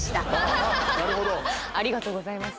ありがとうございます。